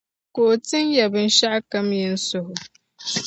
Ka o tin ya binshɛɣu kam yi ni suhi O.